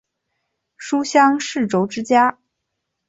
书香世胄之家。